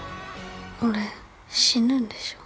俺死ぬんでしょ？